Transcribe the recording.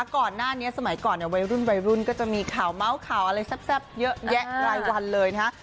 ก่อนหน้านี้สมัยก่อนเนี่ยวัยรุ่นวัยรุ่นก็จะมีข่าวเมาส์ข่าวอะไรแซ่บเยอะแยะรายวันเลยนะฮะ